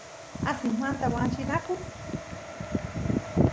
asismanta wanchinaku